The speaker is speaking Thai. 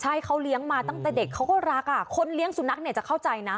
ใช่เขาเลี้ยงมาตั้งแต่เด็กเขาก็รักคนเลี้ยงสุนัขเนี่ยจะเข้าใจนะ